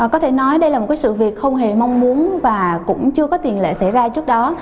có thể nói đây là một sự việc không hề mong muốn và cũng chưa có tiền lệ xảy ra trước đó